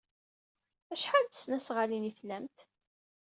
Acḥal n tesnasɣalin ay tlamt?